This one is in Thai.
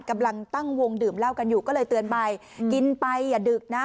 กำลังตั้งวงดื่มเหล้ากันอยู่ก็เลยเตือนไปกินไปอย่าดึกนะ